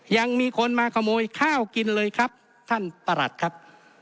ยังมีคนมาขโมยข้าวกินเลยครับท่านประหลัดครับ